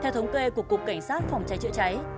theo thống kê của cục cảnh sát phòng cháy chữa cháy